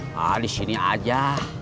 nah di sini aja